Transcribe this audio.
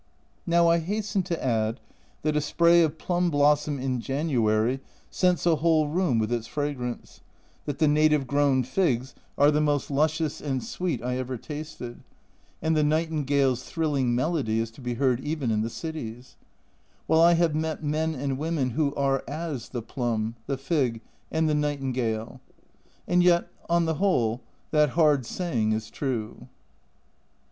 Now I hasten to add that a spray of plum blossom in January scents a whole room with its fragrance ; that the native grown figs are the most (c 128) H 98 A Journal from Japan luscious and sweet I ever tasted, and the nightingales' thrilling melody to be heard even in the cities ; while I have met men and women who are as the plum, the fig, and the nightingale. And yet on the whole, that hard saying is true.